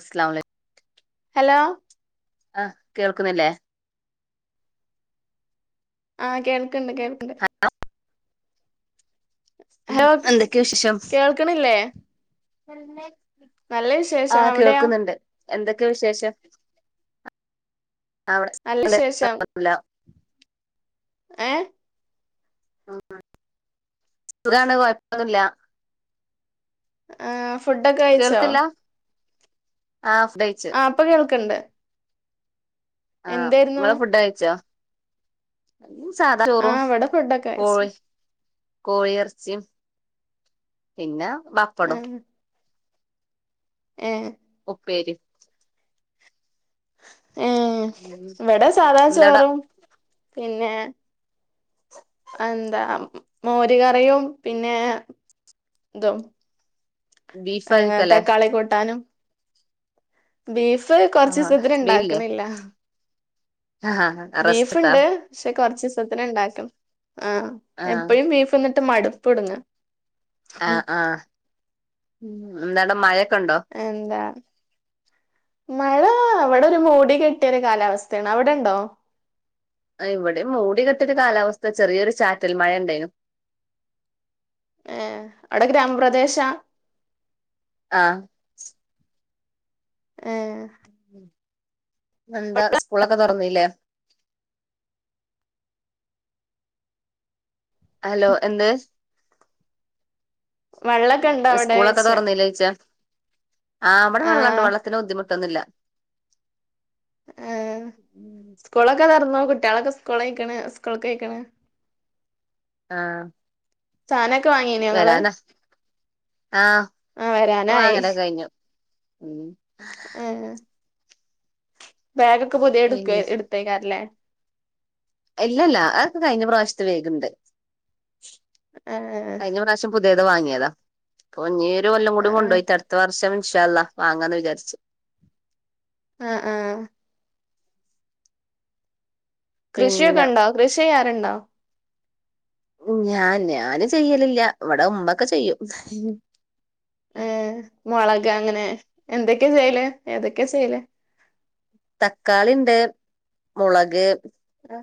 അസലാമു അലൈ ഹലോ ആ കേൾക്കുന്നില്ലേ ആ കേൾക്കുന്നു കേൾക്കുന്നു ഹലോ എന്തൊക്കെയാ വിശേഷം കേൾക്കണില്ലേ [inaudible] നല്ല വിശേഷം. എവിടെയാ? എന്തൊക്കെ വിശേഷം? നല്ല വിശേഷം [unintelligible] ഏ സുഖാണ് കൊഴപ്പമൊന്നുമില്ല. ആ ഫുടൊക്കെ കഴിച്ചോ? കേൾക്കില്ല ആഹ് ഫുഡ് കഴിച്ചു ആ ഇപ്പൊ കേൾക്കുണ്ട് ആ നിങ്ങള് ഫുഡ് കഴിച്ചോ? സാധാ ആ ചോറും, ഇവിടെ ഫുഡൊക്കെ കഴിച്ചു [unintelligible] കോഴി എറച്ചിയും പിന്നാ- പപ്പടോം ഏഹ് പേര് ഏഹ് എവടെ സാധാ എന്താടാ ചോറും പിന്നെ എന്താ മോര് കറിയും പിന്നെ ഇതും ബീഫ് ഏഹ് ആയിരിക്കല്ലേ തക്കാളി കുട്ടാനും ബീ ഫ് കൊറച്ച് ആഹ് ദിവസത്തിന് ബീഫില്ലേ ഇണ്ടക്കാണില്ലാ ആഹ് റസ്റ്റ്ത്താ ബീഫ്ണ്ട് ഷേ കൊറച്ച് ഇസത്തിന് ഇണ്ടാക്കണ് ആ ആഹ് എപ്പഴും ബീഫ് തി ന്നിട്ട് മട്പ്പെടെങ്ങാ ആഹ്‌ ആ എന്താണ് മയ എന്താ മഴ അവടെ ഒരു മൂടി കെട്ടിയൊരു കാലാവസ്ഥയാണ് അവിടെണ്ടോ ഇവടെയും മൂടികെട്ടിയൊരു കാലാവസ്ഥ ചെറിയൊരു ചാറ്റാൽ മഴയെണ്ടയെനു ഏ അവടെ ഗ്രാമപ്രദേശാ ആ ആഹ് എന്താ സ്‌കൂളൊക്കെ തൊറന്നീലെ ഹലോ എന്ത് വെള്ളൊക്കെ ഇണ്ടോ അവിടെ സ്കൂളൊക്കെ ചോയ്ച്ച തുറന്നില്ലേ ച്ചാ ആ അവടെ വെള്ള ഒണ്ട് ആഹ് വെള്ളത്തിന് ബുദ്ധിമു ട്ട്ന്നില്ലാ ആ സ്കൂളൊക്കെ തൊറെന്നോ? കുട്ടികളൊക്കെ സ്കൂളിക്കണ് സ്കൂൾക്കയക്കണ്. ആ സാനൊക്കേ വാങ്ങിനെ നിങ്ങള്. ആ ബുക്ക്‌ വാങ്ങലോക്കെ കഴിഞ്ഞു. ഉം ബാഗോക്കെ പുതിയെടുക്കെ പിന്നെ എടുത്ത് വെക്കാറില്ലേ. ഇല്ലല്ല അതർക്ക കഴിഞ്ഞ പ്രാവശ്യത്ത് വേഗംണ്ട് ഏഹ് കഴിഞ്ഞ പ്രാവശ്യം പുത് താ ഇത് വാങ്ങിയതാ [unintelligible] ഒരു കൊല്ലം കൂടി ആഹ് കൊണ്ടോയി അടുത്ത വർഷം ഷാ അള്ള വാങ്ങാന്ന് വിചാരിച്ചു. ആ ആ കൃഷിയൊക്കെ പിന്നെ ഒണ്ടോ? കൃഷിയ കണ്ടോ? ഞാൻ ഞാന് ചെയ്യലില്ല, ഇവടെ ഉമ്മക്കെ ചെയ്യും. ഏ മൊളക് അങ്ങനെ എന്തൊക്കെയ ചെയ്യല് ഏതൊക്കെ ചെയ്യല് തക്കാളി ഇണ്ട് മൊളക്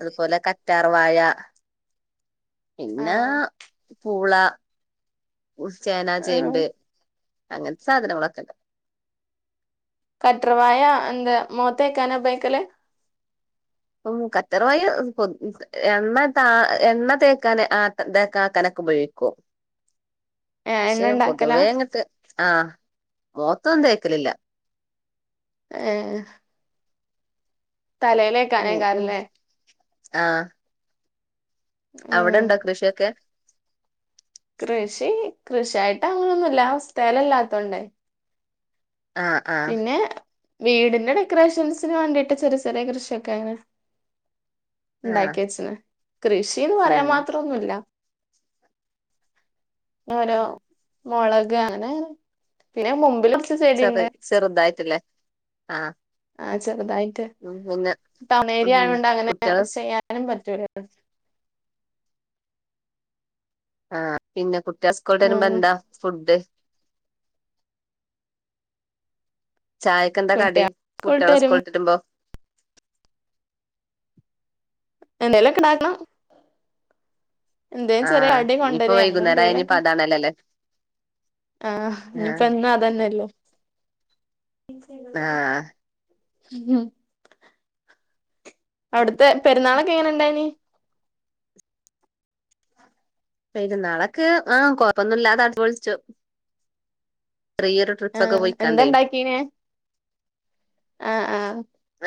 അതുപോലെ കറ്റാർ പവായ പിന്ന ആഹ് പൂള ഉൽച്ചേന ആഹ് ചേമ്പ് അങ്ങനത്തെ സാധനങ്ങളൊക്കെണ്ട്. കറ്റർവായ എന്ത് മോത്തേക്കാന ഉപയോഗിക്കല്. അം കറ്റർവാ മ് കൊത് എണ്ണ ത എണ്ണ തേക്കാന് ആ ത് തേക്ക ആക്കാനൊക്കെ ഉപയോഗിക്കും. ഏഹ് എണ്ണ ശ്ശെ ഇണ്ടാക്കലാ പൊതുവെങ്ങട്ട് ആഹ് മൊത്തൊന്നും തേക്കലില്ല. എഹ് തലയിലേക്ക അനേക്കാറല്ലേ. ആ ഉം അവിടെണ്ടോ കൃഷിയൊക്കെ. കൃഷി കൃഷിയായിട്ട് അങ്ങനൊന്നുല്ല സ്ഥലല്ലാത്തോണ്ടേ. ആ ആ പിന്നെ വീടിന്റെ ഡെക്കറേഷൻസിന് വേണ്ടിയിട്ട് ചെറിയ ചെറിയ കൃഷിയൊക്കെ അങ്ങനെ ആഹ് ഇണ്ടാക്കി വെച്ചിന് കൃഷീന്ന് പറയാൻ ഉം മാത്രം ഒന്നൂല്ല ഓരോ മൊള ക് അങ്ങനെ പിന്നെ മുമ്പിലും ചെടിണ്ട് ചെറ്തായിട്ട് ല്ലേ ആഹ്‌ ചെറ്തായി് ട്ട് ടൗണേരി ഉം ആയ കൊണ്ട് അങ്ങനെ കുട്ടികള് ചെയ്യാനും പറ്റൂല ആ പിന്ന കുട്ട് എസ്കോട്ട് വരുമ്പ ഉം ന്താ ഫുഡ് ചായക്കെന്താ കടി കുട്ട്യാള് സ്കൂള്ട്ട് കുട്ടായാള് സ്കൂൾട്ട് വരുമ്പോ എന്തെലോക്കെ ഇണ്ടാക്കണം എന്തേ ചെറിയ ആഹ് കടി ഇനിയിപ്പോ കൊണ്ടരെ വൈകുന്നേരായ ഇനിയിപ്പോ എന്തേലൊക്കെ അതാണല്ലോല്ലേ ആ ആഹ് ഇനിപ്പം എന്നും അത്ന്നല്ലേ [inaudible] ആഹ് ഉം അവിട്ത്തെ പെരുന്നാളൊക്കെ എങ്ങനൊണ്ടായിനി പെരുന്നാള്ക്ക് ഹാ കൊഴപ്പൊന്നുല്ലാതെ അട്ച്ച് പൊൾച്ചു റിയറ് ട്രിപ്സൊക്കെ ആഹ് എന്താ പോയ്ക്കാണ്ട് അ ആ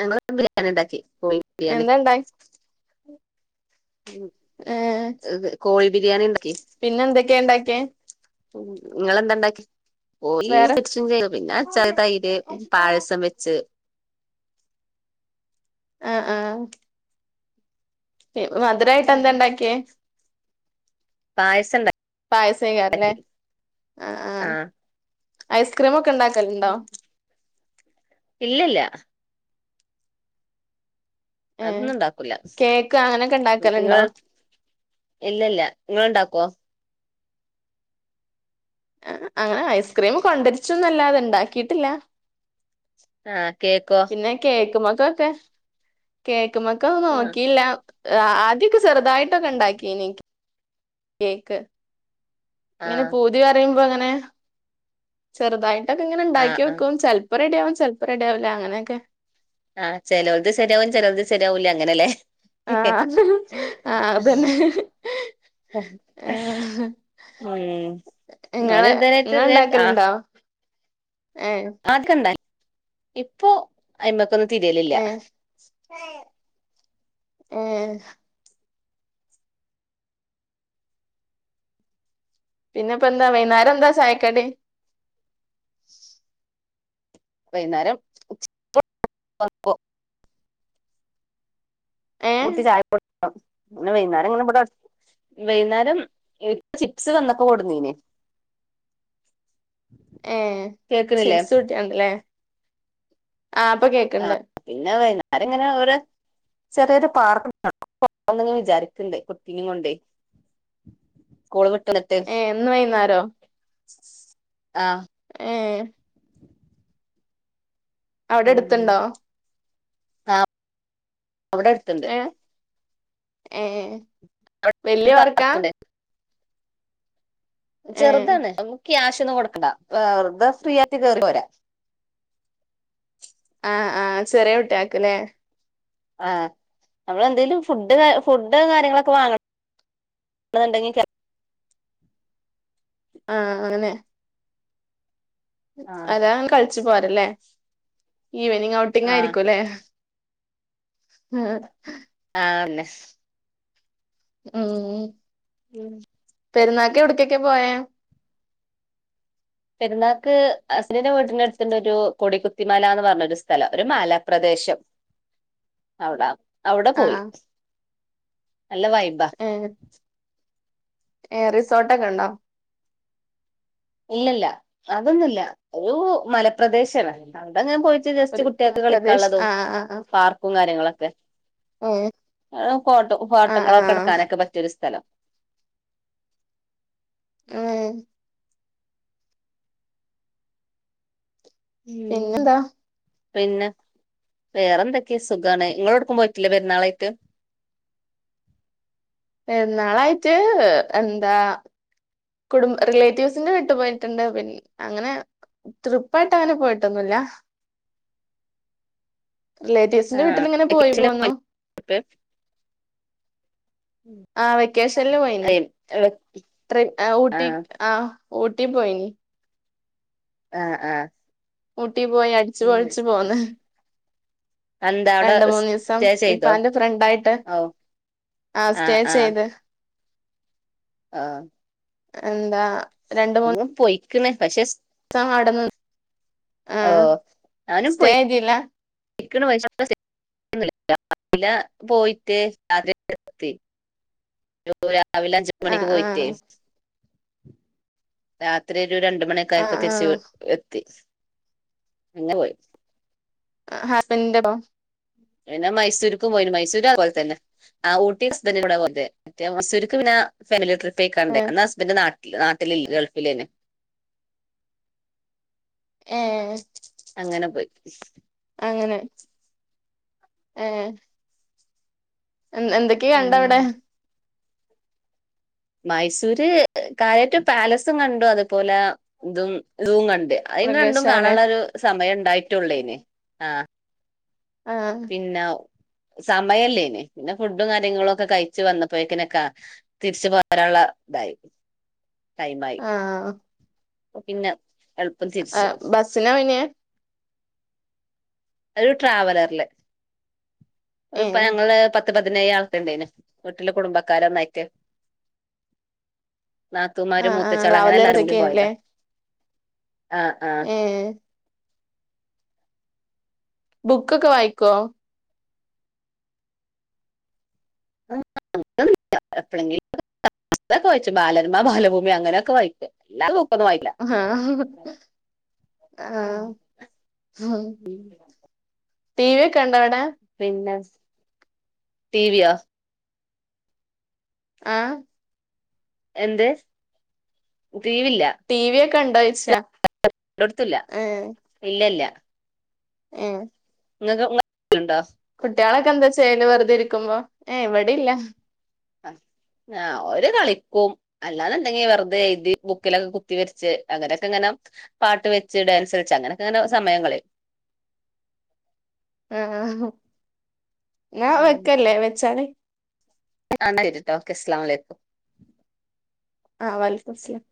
[unintelligible] ബിരിണി ണ്ടാക്കി കോയി ബിരിയാണി എന്താ ഹേ കോഴി ബിരിയാണി ഉണ്ടാക്കി പിന്നെന്തൊക്കെ ഇണ്ടാക്ക്യെ? ഉം ഇങ്ങളെന്താണ്ടാകെ ഓ ഈ വേറെ [unintelligible] പിന്നെ അച്ചാറ്, തൈര്, ആഹ് പായസം, വെച്ച് അ ആ മധുരാ ആയിട്ട് എന്താണ്ടാക്കെ പായസം ഇണ്ടാ പായസാ [unintelligible] ആ ആ ഐസ്ക്രീമൊ ക്കെണ്ടാക്കലുണ്ടോ? ഇല്ലില്ല ഏഹ് അതൊന്നും ഇണ്ടാക്കൂല കേക്ക് അങ്ങനൊക്കെ ഇണ്ടാക്കലുണ്ടോ [unintelligible] ഇല്ലില്ല നിങ്ങളിണ്ടാക്കുവോ? ആ അങ്ങനെ ഐസ്ക്രീം കൊണ്ടരിച്ചൊന്നുവല്ലാ അത് എണ്ടാക്കീട്ടില്ല ആ കേക്കോ പിന്നെ കേക്ക്മ സത്തെ കേ നുമ്മക്കത് ആ നോക്കീല്ല ആ ആദ്യൊക്കെ ചെറുതായിട്ടൊക്കെ ഉണ്ടാക്കിന് കേക്ക് ആ ഇങ്ങനെ പൂതി പറയുമ്പോ അങ്ങനെ ങേ ചെറുതായി തൊക്കെങ്ങനെ ആ ണ്ടാക്ക്യോക്കും ചെലപ്പോ റെഡിയാവും ചെ ചെലപ്പം റെഡിയാവില്ല അങ്ങനെയൊക്കെ ആ ചിലവത് ശരിയാവും ചിലവത് ശരിയാവുല്ലാ അങ്ങനല്ലേ ആ ആ അതന്നെ ഏഹ് ഉം ഞാന് ഇങ്ങളെ ഇങ്ങള് ഉണ്ടാക്കലുണ്ടോ ആക്കണ്ടേ ഇപ്പൊ എബക്ക് ഒന്നും തിരെലില്ല ഏഹ് [unintelligible] ഏഹ് പിന്നെ ഇപ്പ എന്താ വൈന്നേരം എന്താ ചായക്കടി വൈന്നേരം പുട്ട് [unintelligible] ഏഹ് കുട്ടി ചായ [unintelligible] വൈന്നേരം ഇങ്ങനെ വിടെ വൈന്നേരം പ്പ ചിപ്സ് വന്നൊപ്പാ കൊണ്ടൊന്നിന് ഏഹ് ചിപ്‌സ് കുട്ട് ഒണ്ടല്ലേ ആഹ് ഇപ്പൊ കേക്കണ്ട് ആരങ്ങനെ ഓരോ ചെറിയൊരു പാർക്ക് [unintelligible] പോണനിങ്ങനെ വിചാരിക്കണ്ട് കുട്ടീ നേയും കൊണ്ടെ സ്കൂൾ ഏഹ് ഇന്ന് വൈന്നേരോ ആഹ് ഏഹ് അവിടെ ഉം അടുത്തുണ്ടോ ആഹ് അവിടെ അടുത്തുണ്ട് എ ഏഹ് വല്ല്യ പാർക്കാ ചെറുതാണ് നമു ക്യാഷ് ഒന്നും കൊടുക്കണ്ട വെറുത ഫ്രീ ആയി കേറി പോരാ ആഹ് ആഹ് ചെറിയ കുട്ട്യാൾക്ക് അല്ലേ ആഹ് നമ്മൾ എന്തേലും ഫുഡ് ഫുഡ് കാര്യങ്ങളൊക്കെ വാങ്ങണ്ടെങ്കിൽ കേ ആഹ് അങ്ങനെ ആഹ് അതാന് കളിച്ചു പോരല്ലേ ഈവനിങ് ഔട്ടിങ് ആഹ് ആയിരിക്കുല്ലേ ആഹ് ആണല്ലെ ഉം ഉം പെരുന്നാൾക്ക് എവിടുക്കൊക്കെ പോയെ പെരുന്നാൾക്ക് അസിന്റെ വീട്ടിന് അടുത്തന്ന് ഒരു കൊടിക്കുത്തിമാല എന്ന് പറഞ്ഞ ഒരു സ്ഥലം ഒരു മലപ്രദേശം അവിട അവിടെ ആ പോയി നല്ല വൈബാ ഏ ഏ റിസോർട്ടൊക്കെണ്ടോ ഇല്ലല്ല അതൊന്നുല്ല ഒരു മലപ്രദേശമാണ് അവിടെ ഞാൻ പോയിട്ട് ഒരു ജസ്റ്റ് കുട്ടികൾക്ക് പ്രദേശ് കളിക്കാനുള്ളതും ആ ആ ആ പാർക്കും കാര്യങ്ങളൊക്കെ ഏ ആ ഫോട്ടോ ആ ആ ഫോട്ടങ്ങളൊക്കെ എടുക്കാനൊക്കെ പറ്റിയൊരു സ്ഥലം ഉം ഉം പിന്നെന്താ പിന്നെ വേറെന്തൊക്കെയാ സുഖാണ് നിങ്ങളോടുക്കും പോയിട്ടില്ലേ പെരുന്നാളായിട്ട് പെരുന്നാളായിട്ട് ഹ് എന്താ കുടുംബ റിലേറ്റീവ്സിന്റെ വീട്ട് പോയിട്ടുണ്ട് പിന്ന അങ്ങനെ ട്രിപ്പായിട്ട് അങ്ങനെ പോയിട്ടൊന്നുല്ല റിലേറ്റീവ്സിന്റെ ആഹ് വീട്ടില്ങ്ങനെ പോയി വെക്കേഷന് പോന്നു പോയിട്ട് ആ വെക്കേഷനിില് പോയിന് അതെ ട്രി ആ ഊട്ടി ആഹ് ആ ഊട്ടി പോയിനി ആഹ് ആഹ് ഊ ട്ടി പോയി അടിച്ചുപൊളിച്ച് പോന്ന് എന്താ അവിടെ രണ്ട് മൂന്ന് ദിവസം സ്റ്റേ ചെയ്തോ ഇപ്പാൻ്റെ ഫ്രണ്ടായിട്ട് ഓ ആ സ്റ്റേ ചെയ്ത് ഓ എന്താ രണ്ട് മൂന്ന് അങ്ങ് പോയി ക്ണ് പക്ഷെ സ് ആ ദിവസം അടന്ന് ഓ ഞാനും പോയി ക്ക്ണ് പക്ഷേ രാവിലെ പോയിട്ട് രാത്രി എത്തി രാവിലെ അഞ്ച് ആ മണിക്ക് ആ പോയിട്ടേ രാത്രി ഒരു രണ്ട് മണി ആ ഒക്കായപ്പോ തിരിച്ച വീ എത്തി അങ്ങെ പോയി ഹാ പിന്റെ പിന്നെ മൈസൂർക്കും പോയിന് മൈസൂ സൂരും അത് പോൽ തന്നെ ആ ഊട്ടി ഹസ്ബൻ്റൻ്റെ കൂടെ മറ്റേ മൈസൂർക്ക് പിന്നെ ഫാമിലി ട്രി പായികാണ്ടേ അന്ന് ഹസ്ബൻ്റ് നാട്ട നാട്ടിലില്ല ഗൾഫിലേയ്ന് ഏ അങ്ങനെ പോയി ഏഹ് എന്ത് ഉം എന്തൊക്കെയൊണ്ടവിടെ? മൈസൂര് കാര്യായിട്ട് പാലസും കണ്ടു അതുപോലെ ഇതും ഇതും കണ്ടു അയിന് രണ്ടും മൃഗശാല കാണാനുള്ള ഒരു സമയം ഉണ്ടായിട്ടുള്ളേനെ ആ ആ പിന്നൗ സമയമില്ലേനേ പിന്നെ ഫുഡ് കാര്യങ്ങളും ഒക്കെ കഴിച്ചു വന്നപ്പോഴക്കിനൊക്കെ തിരിച്ച് പ പോരാള്ളതായി ആഹ് ഓ പിന്നെ എളുപ്പം ആ തിരിച്ചു ആ ബസ്സിലാ പോയിനെ ഒരു ട്രാവലറില് ഏ ഇപ്പ ഞങ്ങള് പത്ത് പത്ത് പതിനേഴ് ആൾത്തെണ്ടേന് വീട്ടില് കുടുംബക്കാരന്നായിട്ട് ആ നാത്തൂൻമാരും ആ മൂത്തച്ചോള അങ്ങനെ ട്രാവലർ എല്ലാരും കൂടി പോയതാ ആഹ് ആഹ് ഏയ് ബുക്കൊക്കെ വായിക്കുവോ? [unintelligible] ബാലരമ ബാലഭൂമി അങ്ങനെയൊക്കെ വായിക്കും അല്ലാതൊ ആഹഹ് ആഹ് മ് ടി വി ഒക്കൊണ്ടവിടെ? പിന്നെ ടിവിയോ ആഹ് എന്ത് ടീവീല്ല കണ്ടായ്ച്ച എടുത്തില്ല ഇല്ല ഇല്ല ആ ങ്ങക്ക് കുട്ടികളൊക്കെ എന്താ ചെയ്യല് വെറുതെ ഇരിക്കുമ്പോ ഏ വടിം ല്ല ആ ഓര് കളിക്കും അല്ലാന്ന്ണ്ടെങ്കി വെറുതെ എഴുതി ബുക്കിലൊക്കെ കുത്തി വരച്ച് അങ്ങനൊക്കെ അങ്ങനെ പാട്ട് വെച്ച് ഡാൻസ് വെച്ച് അങ്ങനെയൊക്കെങ്ങനെ സമയം കളയും ആ ആ ഹ ന്നാ വെക്കല്ലേ വെച്ചാളി രിട്ടോ ഓക്കെ സ്ലാമലേക്കും ആ വലൈക്കുമസ്ലാം